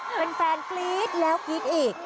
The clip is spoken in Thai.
เป็นแฟนกรี๊ดแล้วกรี๊กอีก